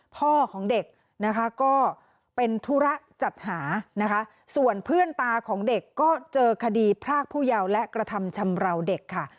พ่อของเด็กนะคะก็เป็นธุระจัดหานะคะส่วนเพื่อนตาของเด็กก็เจอคดีพรากผู้เยาว์และกระทำชำราวเด็กค่ะ